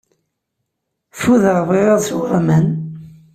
Fudeɣ, bɣiɣ ad sweɣ aman.